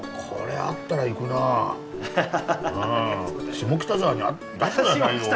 下北沢に出して下さいよ